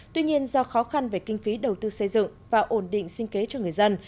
tuy nhiên do khó khăn về kinh phí đầu tư xây dựng và ổn định sinh kế cho người dân